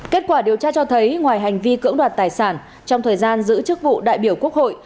kết quả điều tra cho thấy ngoài hành vi cưỡng đoạt tài sản trong thời gian giữ chức vụ đại biểu quốc hội